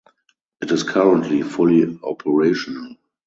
It is currently fully operational.